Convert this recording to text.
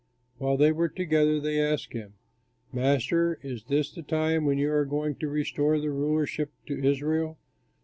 While they were together they asked him, "Master, is this the time when you are going to restore the rulership to Israel?"